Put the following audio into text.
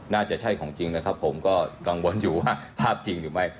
น่าจะใช่ของจริงนะครับผมก็กังวลอยู่ว่าภาพจริงหรือไม่